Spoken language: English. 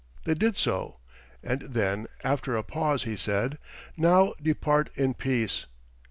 They did so. And then, after a pause, he said, "Now depart in peace!"